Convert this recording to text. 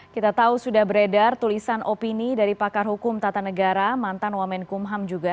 kita tahu sudah beredar tulisan opini dari pakar hukum tata negara mantan wamenkumham juga